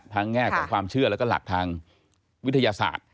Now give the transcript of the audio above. แง่ของความเชื่อแล้วก็หลักทางวิทยาศาสตร์